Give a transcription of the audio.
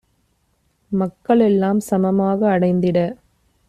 மக்களெல் லாம்சம மாக அடைந்திட